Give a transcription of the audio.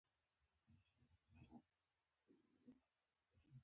لیول کاري یا ګریډینګ باید د پروفیل له مخې وي